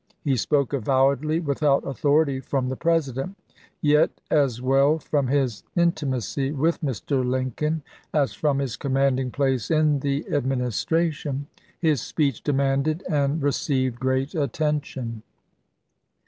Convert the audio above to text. He spoke avowedly without authority from sePt.3,i864. the President; yet, as well from his intimacy with Mr. Lincoln as from his commanding place in the Administration, his speech demanded and re ceived great attention.